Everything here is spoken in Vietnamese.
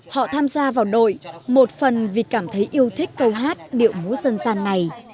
họ tham gia vào đội một phần vì cảm thấy yêu thích câu hát điệu múa dân gian này